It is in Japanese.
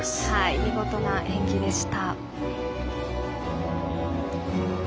見事な演技でした。